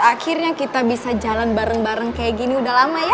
akhirnya kita bisa jalan bareng bareng kayak gini udah lama ya